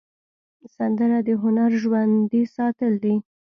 سندره د هنر ژوندي ساتل دي